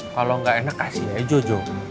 kalau gak enak kasih aja jojo